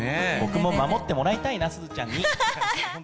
僕も守ってもらいたいな、すずちゃんに。